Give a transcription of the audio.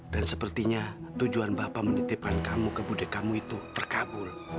dan sepertinya tujuan bapak menitipkan kamu ke buddha kamu itu terkabul